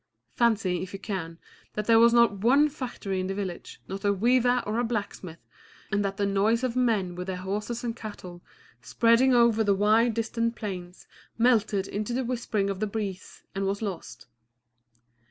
Fancy, if you can, that there was not one factory in the village, not a weaver or a blacksmith, and that the noise of men with their horses and cattle, spreading over the wide, distant plains, melted into the whispering of the breeze and was lost.